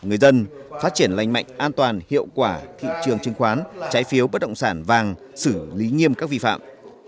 người dân phát triển lành mạnh an toàn hiệu quả thị trường chứng khoán trái phiếu bất động sản vàng xử lý nghiêm các vi phạm